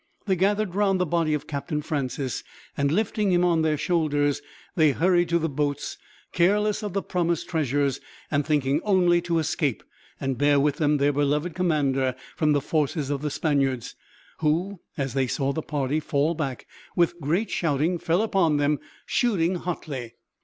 They gathered round the body of Captain Francis and, lifting him on their shoulders, they hurried to the boats, careless of the promised treasures, and thinking only to escape, and bear with them their beloved commander from the forces of the Spaniards; who, as they saw the party fall back, with great shouting fell upon them, shooting hotly.